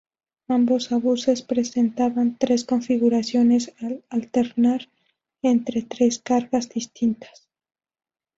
Ambos obuses presentaban tres configuraciones al alternar entre tres cargas distintas.